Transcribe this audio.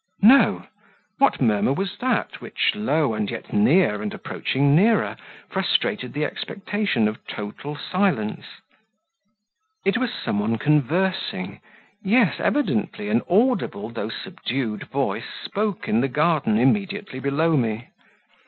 No. What murmur was that which, low, and yet near and approaching nearer, frustrated the expectation of total silence? It was some one conversing yes, evidently, an audible, though subdued voice spoke in the garden immediately below me.